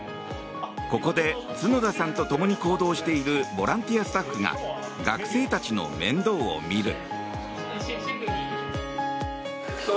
ここで角田さんとともに行動しているボランティアスタッフが学生たちの面倒を見る。